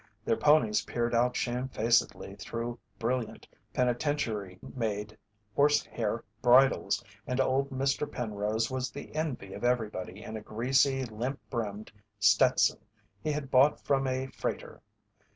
Their ponies peered out shamefacedly through brilliant, penitentiary made, horse hair bridles, and old Mr. Penrose was the envy of everybody in a greasy, limp brimmed Stetson he had bought from a freighter.